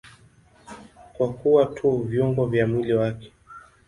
Kwa kuwa tu viungo vya mwili wake.